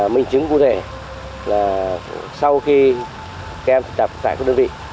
mình chứng cụ thể là sau khi các em tập tại các đơn vị